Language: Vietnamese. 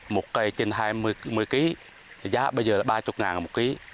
một cây trên hai mươi kg giá bây giờ là ba mươi một kg